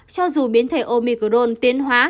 cho dù biến thể omicron tiến hóa